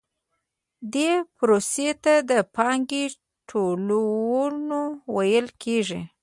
دې پروسې ته د پانګې ټولونه ویل کېږي